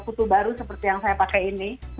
kutu baru seperti yang saya pakai ini